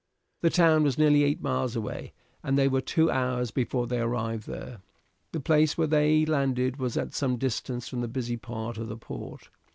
The town was nearly eight miles away, and they were two hours before they arrived there. The place where they landed was at some distance from the busy part of the port.